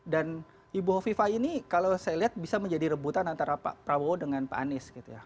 dan ibu hovifah ini kalau saya lihat bisa menjadi rebutan antara pak prabowo dengan pak anies gitu ya